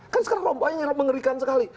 kan sekarang romboknya mengerikan sekali